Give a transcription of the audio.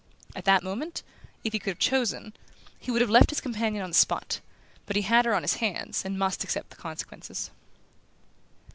At that moment, if he could have chosen, he would have left his companion on the spot; but he had her on his hands, and must accept the consequences.